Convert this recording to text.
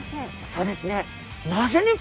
そうですね